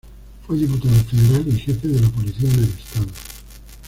Fue diputado federal y jefe de la policía en el estado.